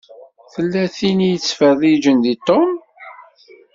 Tella tin i yettfeṛṛiǧen deg Tom.